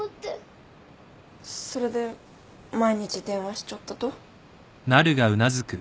それで毎日電話しちょったと？